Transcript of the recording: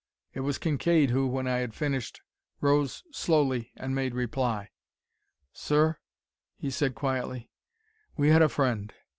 It was Kincaide who, when I had finished, rose slowly and made reply. "Sir," he said quietly, "We had a friend.